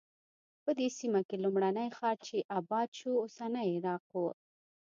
په دې سیمه کې لومړنی ښار چې اباد شو اوسنی عراق و.